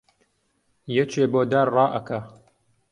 یەکێ بۆ دار ڕائەکا